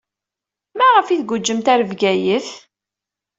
Maɣef ay tguǧǧemt ɣer Bgayet?